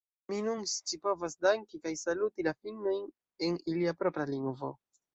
Mi nun scipovas danki kaj saluti la finnojn en ilia propra lingvo.